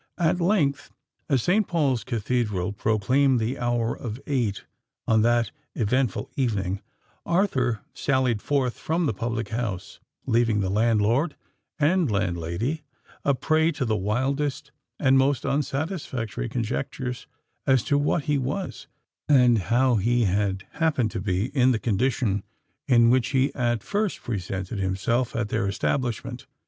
At length, as St. Paul's Cathedral proclaimed the hour of eight, on that eventful evening, Arthur sallied forth from the public house—leaving the landlord and landlady a prey to the wildest and most unsatisfactory conjectures as to what he was, and how he had happened to be in the condition in which he at first presented himself at their establishment.